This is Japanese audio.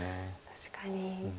確かに。